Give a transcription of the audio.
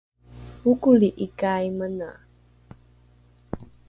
okoli’ikai mene?